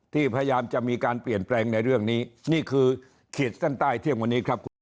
พยายามจะมีการเปลี่ยนแปลงในเรื่องนี้นี่คือขีดเส้นใต้เที่ยงวันนี้ครับคุณ